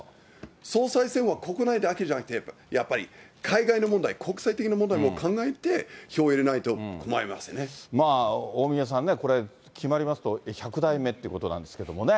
総裁選は国内だけじゃなくて、やっぱり海外の問題、国際的な問題も考えて票を入れないと困ります大宮さんね、これ、決まりますと、１００代目ということなんですけどもね。